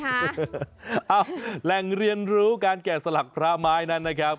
แหล่งเรียนรู้การแกะสลักพระไม้นั้นนะครับ